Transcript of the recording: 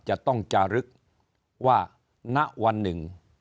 จะต้องจารึกว่าณวันหนึ่ง